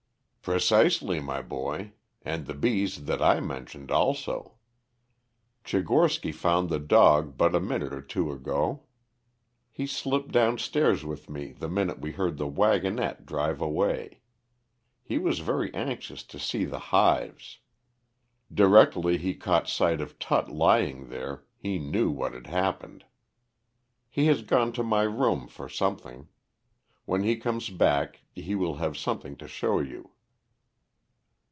"Precisely, my boy. And the bees that I mentioned also. Tchigorsky found the dog but a minute or two ago. He slipped downstairs with me the minute we heard the wagonette drive away. He was very anxious to see the hives. Directly he caught sight of Tut lying there he knew what had happened. He has gone to my room for something. When he comes back he will have something to show you."